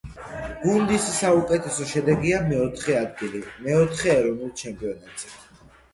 გუნდის საუკეთესო შედეგია მეოთხე ადგილი მეოთხე ეროვნულ ჩემპიონატზე.